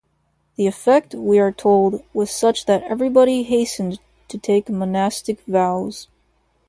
The effect, we are told, was such that everybody hastened to take monastic vows.